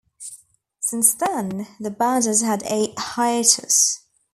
Since then, the band has had a hiatus.